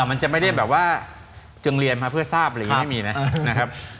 มันจะไม่ได้แบบว่าจึงเรียนมาเพื่อทราบอะไรอย่างนี้ไม่มีนะครับ